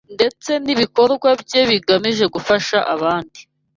ndetse n’ibikorwa bye bigamije gufasha abandi